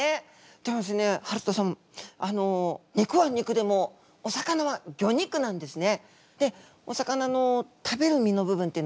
でもですねはるとさんあの肉は肉でもお魚は魚肉なんですね。